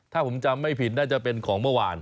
ถ้าผมจำไม่ผิดน่าจะเป็นของเมื่อวาน